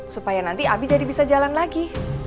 supaya nanti abi jadi bisa jalan lagi